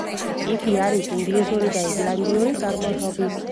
იგი არის ინგლისური და ირლანდიური წარმოშობის.